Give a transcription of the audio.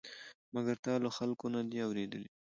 مګر تا له خلکو نه دي اورېدلي؟